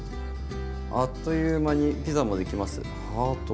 「あっという間にピザもできますハート」。